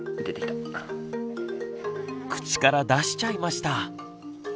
口から出しちゃいました。